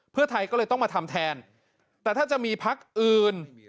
เพื่อไทยก็เลยต้องมาทำแทนแต่ถ้าจะมีพักอื่น